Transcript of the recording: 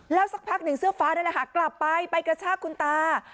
สักพักหนึ่งเสื้อฟ้านั่นแหละค่ะกลับไปไปกระชากคุณตา